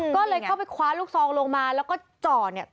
ก็เลยเข้าไปคว้าลูกซองลงมาแล้วก็จ่อเนี่ย